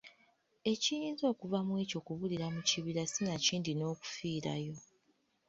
Ekiyinza okuva mu ekyo kubulira mu kibira sinakindi n’okufiirayo.